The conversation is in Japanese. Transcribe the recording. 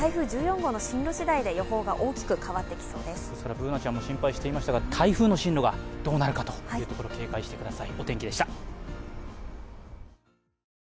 Ｂｏｏｎａちゃんも心配していましたが台風の進路がどうなるかということで、警戒してください。